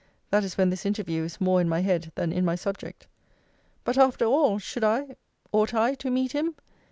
That is when this interview is more in my head than in my subject. But, after all, should I, ought I to meet him?